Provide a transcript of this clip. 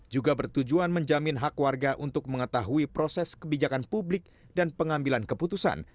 juga bertujuan menjamin hak warga untuk mengetahui proses kebijakan publik dan pengambilan keputusan